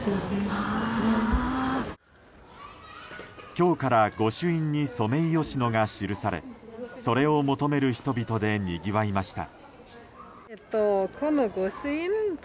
今日から御朱印にソメイヨシノが記されそれを求める人々でにぎわいました。